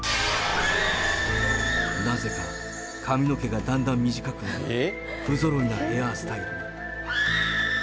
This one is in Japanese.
なぜか髪の毛がだんだん短くなる、不ぞろいなヘアースタイル。